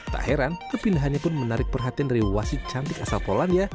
tak heran kepindahannya pun menarik perhatian dari wasit cantik asal polandia